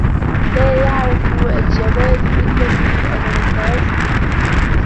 لَا يُعْرَفُ الْجَوَادُ إلَّا فِي الْعُسْرَةِ